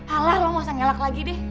alah lo masa ngelak lagi deh